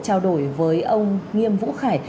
trao đổi với ông nghiêm vũ khải